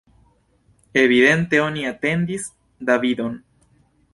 Evidente oni atendis Davidon.